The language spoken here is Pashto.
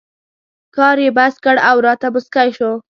کار یې بس کړ او راته مسکی شو.